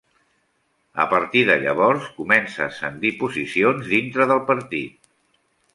A partir de llavors comença a ascendir posicions dintre del Partit.